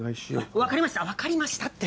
分かりました分かりましたって。